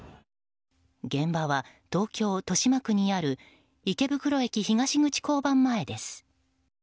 現場は東京・豊島区にある池袋駅東口交番前です。